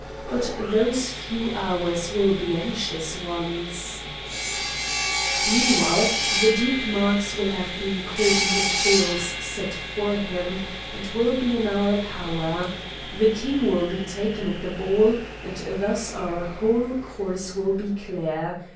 "But those few hours will be anxious ones." "Meanwhile the Duke Marx will have been caught in the toils set for him, and will be in our power; the King will be taken at the ball, and thus our whole course will be clear.